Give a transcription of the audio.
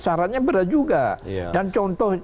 syaratnya berat juga dan contoh